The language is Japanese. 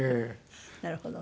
なるほどね。